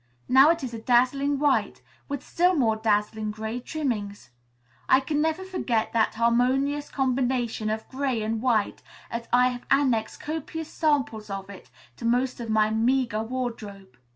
Now it is a dazzling white, with still more dazzling gray trimmings. I can never forget that harmonious combination of gray and white, as I have annexed copious samples of it to most of my meager wardrobe.